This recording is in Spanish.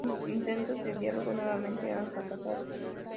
Mis intentos de diálogo nuevamente han fracasado.